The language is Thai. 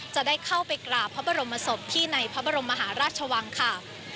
จะได้เข้าไปกราบพระบรมศพที่ในพระบรมมหาราชวังค่ะ